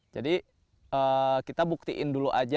jadi kita buktikan dulu saja